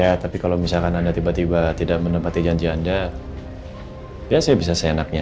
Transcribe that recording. ya tapi kalau misalkan anda tiba tiba tidak menepati janji anda ya saya bisa seenaknya